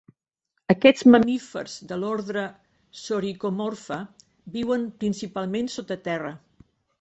Aquests mamífers de l'ordre Soricomorpha viuen principalment sota terra.